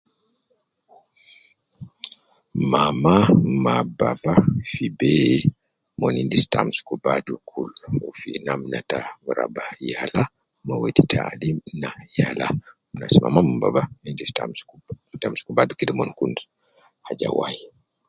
Mama ma baba fi be Mon endis ta amsuku badu kul fi namna ta raba yala me wedi taalim na yala. Nas mama ma baba Mon endis ta amsuku badu kede umon kun haja wai